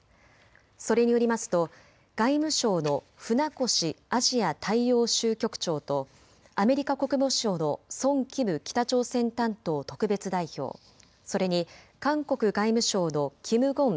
それによりますと外務省の船越アジア大洋州局長とアメリカ国務省のソン・キム北朝鮮担当特別代表、それに韓国外務省のキム・ゴン